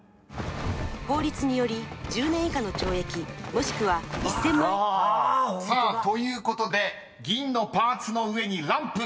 「法律により１０年以下の懲役もしくは１，０００万」［さあということで銀のパーツの上にランプ］